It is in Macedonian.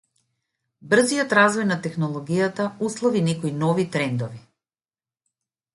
Брзиот развој на технологијата услови некои нови трендови.